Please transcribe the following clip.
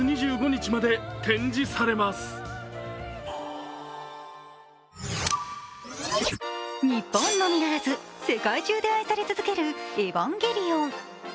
日本のみならず世界中で愛され続ける「エヴァンゲリオン」。